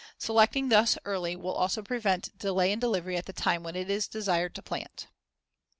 Selecting thus early will also prevent delay in delivery at the time when it is desired to plant.